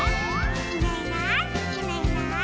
「いないいないいないいない」